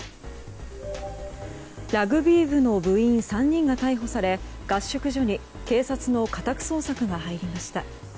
ラグビー部の部員３人が逮捕され合宿所に警察の家宅捜索が入りました。